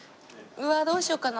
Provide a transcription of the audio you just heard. うわっどうしようかな？